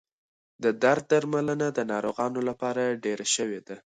د درد درملنه د ناروغانو لپاره ډېره شوې ده.